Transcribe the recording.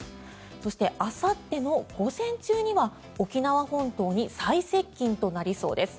そして、あさっての午前中には沖縄本島に最接近となりそうです。